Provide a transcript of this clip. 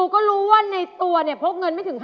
ครับพี่